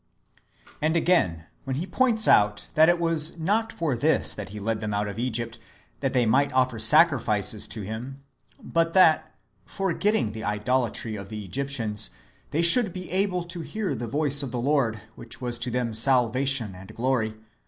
And again, when He points out that it was not for this that He led them out of Egypt, that they might offer sacri fice to Him, but that, forgetting the idolatry of the Egyptians, they should be able to hear the voice of the Lord, which was to them salvation and glory.